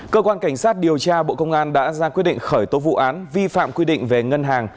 cơ quan cảnh sát điều tra bộ công an đã ra quyết định khởi tố vụ án vi phạm quy định về ngân hàng